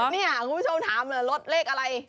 นี่คุณผู้ชมถามอะไร